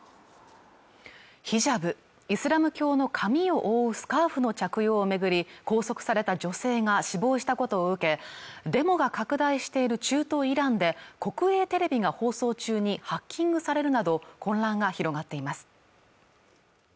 ヒジャブ、イスラム教の上を覆うスカーフの着用を巡り拘束された女性が死亡したことを受けデモが拡大している中東イランで国営テレビが放送中にハッキングされるなど混乱が広がっています